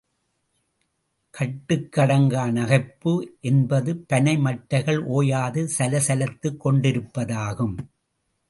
கட்டுக்கு அடங்கா நகைப்பு என்பது பனை மட்டைகள் ஓயாது சல சலத்துக் கொண்டிருப்பதாகும்.